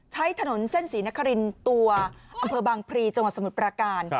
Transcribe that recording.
ใช้ถนนเส้นศรีนครินตัวอำเภอบางพลีจังหวัดสมุทรประการ